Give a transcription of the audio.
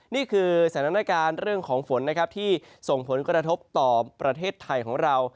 นี่คือสถานการณ์เรื่องของฝนนะครับที่ส่งผลกระทบต่อประเทศไทยของเรา